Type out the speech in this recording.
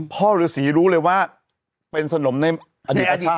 ฤษีรู้เลยว่าเป็นสนมในอดีตชาติ